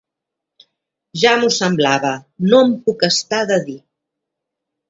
Ja m'ho semblava —no em puc estar de dir.